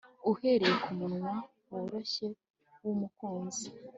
uhereye kumunwa woroshye wumukunzi